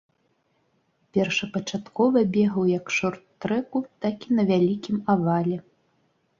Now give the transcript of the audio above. Першапачаткова бегаў як шорт-трэку, так і на вялікім авале.